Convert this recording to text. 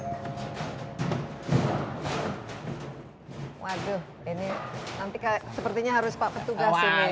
waduh ini nanti sepertinya harus pak petugas ini